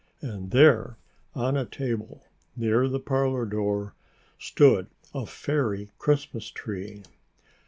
And there, on a table near the parlor door, stood a fairy Christmas tree!